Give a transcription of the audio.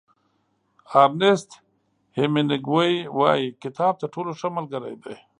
ارنیست هېمېنګوی وایي کتاب تر ټولو ښه ملګری دی.